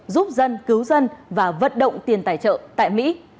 giúp dân cứu dân và vận động tiền tài trợ tại mỹ